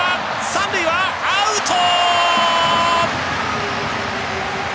三塁、アウト！